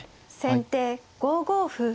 先手５五歩。